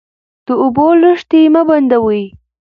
د اوبو لښتې مه بندوئ.